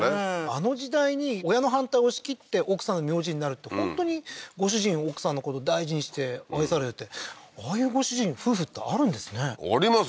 あの時代に親の反対を押し切って奥さんの名字になるって本当にご主人奥さんのこと大事にして愛されてああいうご主人夫婦ってあるんですねあります